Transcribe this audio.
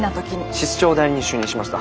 室長代理に就任しました。